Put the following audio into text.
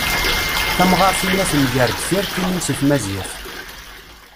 Tamɣart-inna temger-d tirkimin si tmazirt.